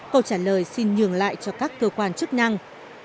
câu trả lời xin nhường lại cho các cơ quan chức năng